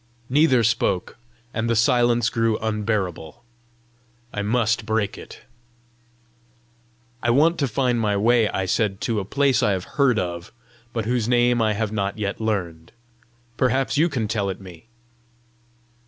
Neither spoke, and the silence grew unbearable. I MUST break it! "I want to find my way," I said, "to a place I have heard of, but whose name I have not yet learned. Perhaps you can tell it me!"